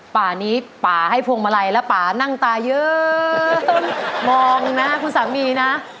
ป่านี้ป่าให้พวงมาลัยแล้วป่านั่งตาเยอะมองนะคุณสามีนะ